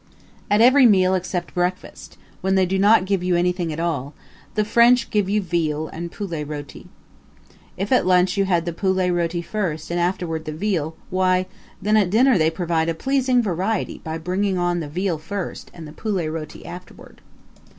At every meal except breakfast when they do not give you anything at all the French give you veal and poulet roti. If at lunch you had the poulet roti first and afterward the veal, why, then at dinner they provide a pleasing variety by bringing on the veal first and the poulet roti afterward.